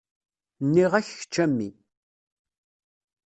Nniɣ-ak kečč a mmi.